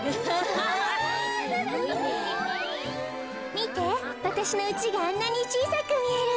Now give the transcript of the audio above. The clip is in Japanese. みてわたしのうちがあんなにちいさくみえる。